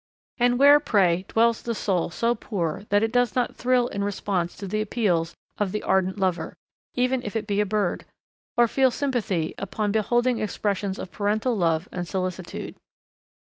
And where, pray, dwells the soul so poor that it does not thrill in response to the appeals of the ardent lover, even if it be a bird, or feel sympathy upon beholding expressions of parental love and solicitude.